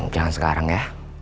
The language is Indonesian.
jangan sekarang ya